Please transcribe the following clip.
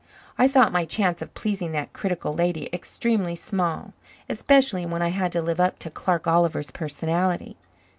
I thought my chance of pleasing that critical lady extremely small, especially when I had to live up to Clark Oliver's personality.